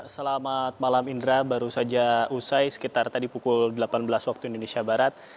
selamat malam indra baru saja usai sekitar tadi pukul delapan belas waktu indonesia barat